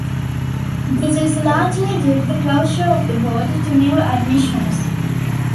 This is largely due to the closure of the board to new admissions.